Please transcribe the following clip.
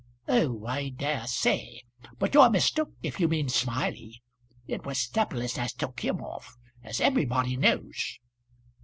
"Oh, I dare say. But you're mistook if you mean Smiley. It was 'sepilus as took him off, as everybody knows."